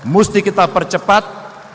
mesti kita percepatkan